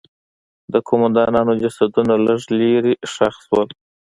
د قوماندانانو جسدونه لږ لرې ښخ شول.